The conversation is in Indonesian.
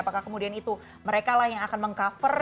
apakah kemudian itu mereka lah yang akan meng cover